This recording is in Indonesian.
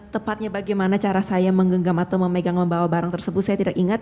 tepatnya bagaimana cara saya menggenggam atau memegang membawa barang tersebut saya tidak ingat